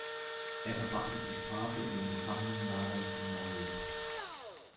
Er verbrachte die Strafe in den Gefangenenlagern von Norilsk.